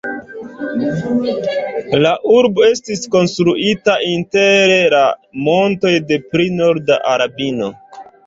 La urbo estis konstruita inter la montoj de pli norda Albanio.